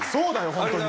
本当に。